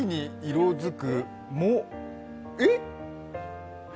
えっ？